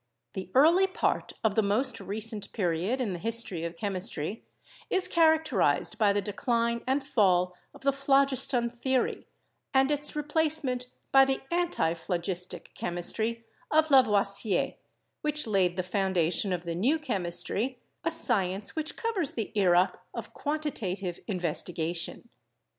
The early part of the most recent period in the history of chemistry is characterized by the decline and fall of the phlogiston theory and its replacement by the anti phlogistic chemistry of Lavoisier, which laid the founda tion of the new chemistry, a science which covers the era of quantitative investigation.